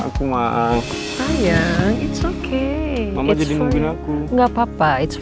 mau kemana sih pak